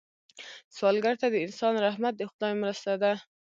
سوالګر ته د انسان رحمت د خدای مرسته ده